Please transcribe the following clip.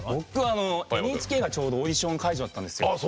ＮＨＫがちょうどオーディション会場だったんです。